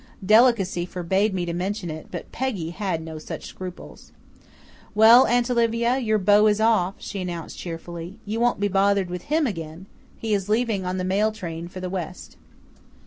Delicacy forbade me to mention it but Peggy had no such scruples. "Well, Aunt Olivia, your beau is off," she announced cheerfully. "You won't be bothered with him again. He is leaving on the mail train for the west."